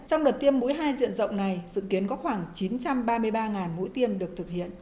trong đợt tiêm mũi hai diện rộng này dự kiến có khoảng chín trăm ba mươi ba mũi tiêm được thực hiện